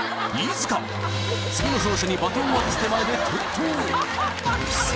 次の走者にバトンを渡す手前で転倒